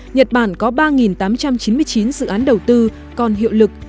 nhật bản có ba tám trăm chín mươi chín dự án đầu tư còn hiệu lực